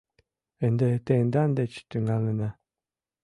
— Ынде тендан деч тӱҥалына.